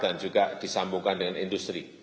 dan juga disambungkan dengan industri